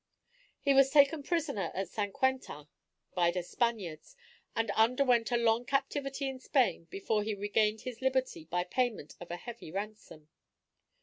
He was taken prisoner at St. Quentin by the Spaniards, and underwent a long captivity in Spain before he regained his liberty by payment of a heavy ransom.